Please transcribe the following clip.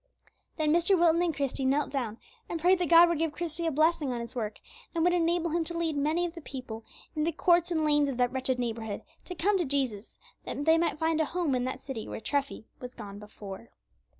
'" Then Mr. Wilton and Christie knelt down and prayed that God would give Christie a blessing on his work, and would enable him to lead many of the people, in the courts and lanes of that wretched neighborhood, to come to Jesus, that they might find a home in that city where Treffy was gone before.